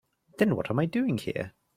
Then what am I doing here?